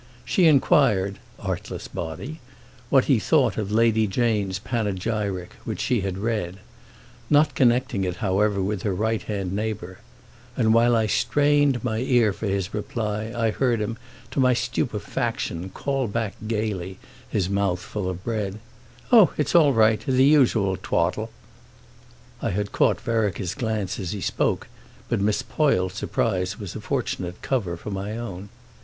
She enquired, artless body, what he thought of Lady Jane's "panegyric," which she had read—not connecting it however with her right hand neighbour; and while I strained my ear for his reply I heard him, to my stupefaction, call back gaily, his mouth full of bread: "Oh, it's all right—the usual twaddle!" I had caught Vereker's glance as he spoke, but Miss Poyle's surprise was a fortunate cover for my own.